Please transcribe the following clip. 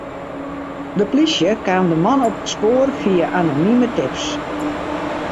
De plysje kaam de man op it spoar fia anonime tips.